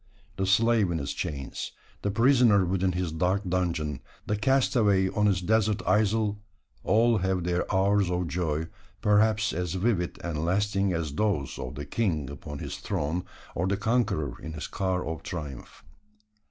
The slave in his chains, the prisoner within his dark dungeon, the castaway on his desert isle, all have their hours of joy perhaps as vivid and lasting as those of the king upon his throne, or the conqueror in his car of triumph.